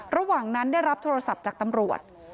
ระหว่างนั้นได้รับโทรศัพท์จากตำรวจ